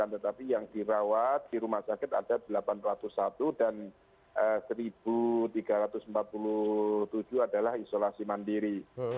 tetapi yang dirawat di rumah sakit ada delapan ratus satu dan satu tiga ratus empat puluh tujuh adalah isolasi mandiri